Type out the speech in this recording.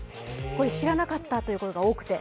これ、知らなかったという声が多くて。